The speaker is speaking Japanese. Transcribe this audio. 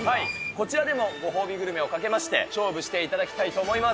こちらでもご褒美グルメをかけまして、勝負していただきたいと思います。